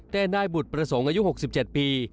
แต่นายบุตรประสงค์อายุหกสิบเจ็ดปี